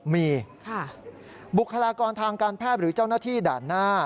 มีบุคลากรทางการแพทย์หรือเจ้าหน้าที่ด่านหน้า